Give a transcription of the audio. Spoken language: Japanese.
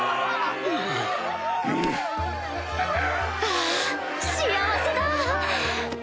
あぁ幸せだ！